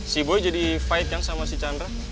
si bo jadi fight kan sama si chandra